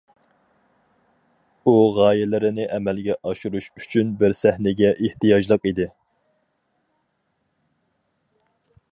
ئۇ غايىلىرىنى ئەمەلگە ئاشۇرۇش ئۈچۈن بىر سەھنىگە ئېھتىياجلىق ئىدى.